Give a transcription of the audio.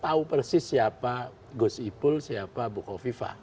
tidak tahu persis siapa gus ipul siapa bukofifa